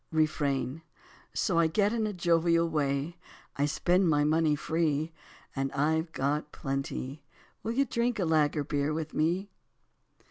Refrain: So I get in a jovial way, I spend my money free. And I've got plenty! Will you drink lager beer with me?